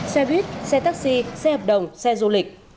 xe buýt xe taxi xe hợp đồng xe du lịch